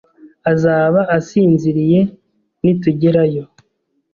azaba asinziriye nitugerayo.